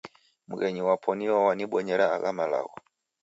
Mghenyi wapo nio wanibonyera agha malagho